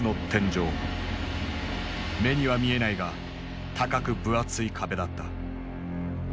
目には見えないが高く分厚い壁だった。